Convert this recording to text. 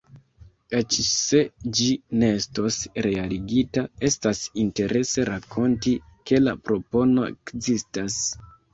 Eĉ se ĝi ne estos realigita, estas interese rakonti, ke la propono ekzistas.